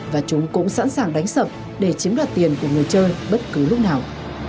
và chúng cũng sẵn sàng đánh sập để chiếm đoạt tiền của người chơi bất cứ lúc nào